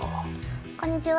こんにちは。